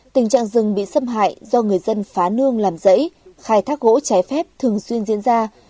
tình trạng rừng bị xâm hại do người dân phá nương làm rẫy khai thác gỗ trái phép thường xuyên diễn ra